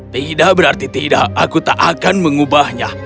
tidak berarti tidak aku tak akan mengubahnya